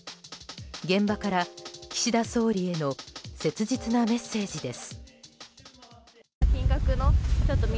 現場から岸田総理への切実なメッセージです。